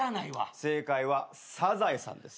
正解は『サザエさん』です。